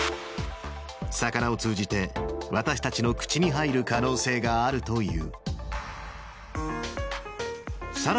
魚を通じて、私たちの口に入る可能性があるという。